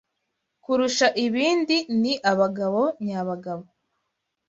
kurusha ibindi ni abagabo nyabagabo